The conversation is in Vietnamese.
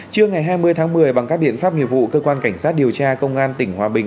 trưa ngày hai mươi tháng một mươi bằng các biện pháp nghiệp vụ cơ quan cảnh sát điều tra công an tỉnh hòa bình